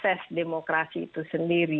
kalau misalnya sese demokrasi itu sendiri